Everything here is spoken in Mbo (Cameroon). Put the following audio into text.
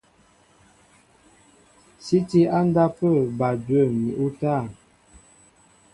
Sí tí á ndápə̂ bal dwə̂m ni útân.